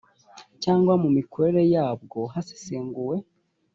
cyangwa mu mikorere yabwo hasesenguwe